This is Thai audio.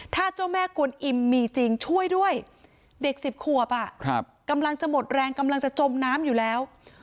ถ้าเจ้าแม่กวนอิมมีจริงช่วยด้วยเด็ก๑๐ขวบกำลังจะหมดแรงกำลังจะจมน้ำอยู่แล้ว